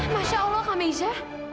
masya allah kameja